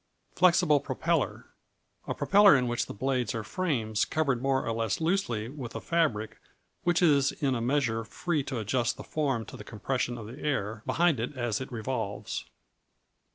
Flexible Propeller A propeller in which the blades are frames covered more or less loosely with a fabric which is in a measure free to adjust its form to the compression of the air behind it as it revolves.